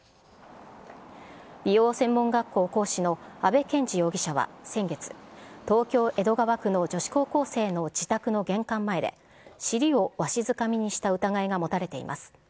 美容専門学校講師の阿部賢治容疑者は先月、東京・江戸川区の女子高校生の自宅の玄関前で、尻をわしづかみにした疑いが持たれています。